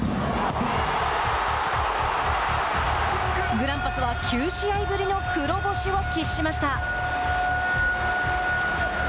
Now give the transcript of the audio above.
グランパスは９試合ぶりの黒星を喫しました。